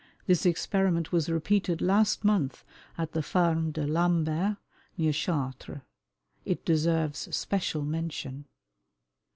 This experiment was repeated last month at the Ferme de Lambert, near Chartres. It deserves special mention.